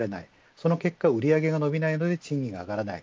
その結果、売り上げが伸びないので賃金が上がらない。